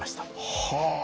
はあ。